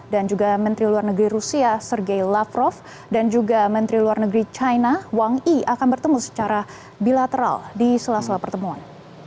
juga menteri luar negeri rusia sergei lavrov dan juga menteri luar negeri china wang i akan bertemu secara bilateral di sela sela pertemuan